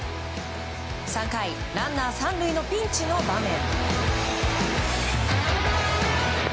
３回、ランナー３塁のピンチの場面。